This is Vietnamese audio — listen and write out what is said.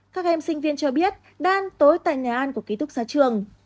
các em sinh viên cho biết đang tối tại nhà ăn của ký túc xá trường